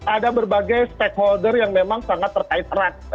ada berbagai stakeholder yang memang sangat terkait erat